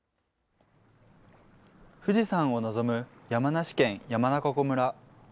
富士山を望む山梨県山中湖村。